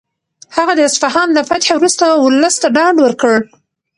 هغه د اصفهان له فتحې وروسته ولس ته ډاډ ورکړ.